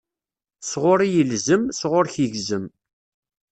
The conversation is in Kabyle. S ɣuṛ-i ilzem, s ɣuṛ-k igzem.